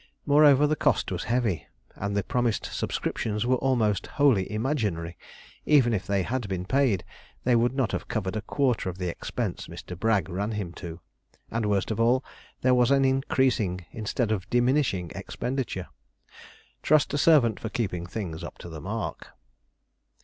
Moreover, the cost was heavy, and the promised subscriptions were almost wholly imaginary; even if they had been paid, they would not have covered a quarter of the expense Mr. Bragg ran him to; and worst of all, there was an increasing instead of a diminishing expenditure. Trust a servant for keeping things up to the mark.